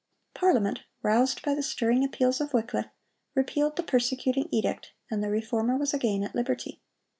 Parliament, roused by the stirring appeals of Wycliffe, repealed the persecuting edict, and the Reformer was again at liberty.